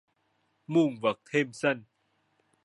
Muôn vật thêm xanh